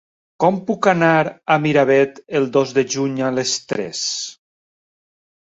Com puc anar a Miravet el dos de juny a les tres?